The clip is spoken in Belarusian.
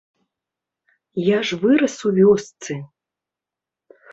Я ж вырас у вёсцы.